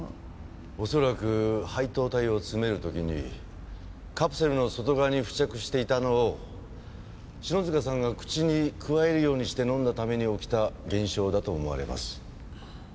おそらく配糖体を詰める時にカプセルの外側に付着していたのを篠塚さんが口にくわえるようにして飲んだために起きた現象だと思われます。